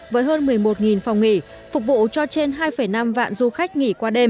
với hơn một mươi một phòng nghỉ phục vụ cho trên hai năm vạn du khách nghỉ qua đêm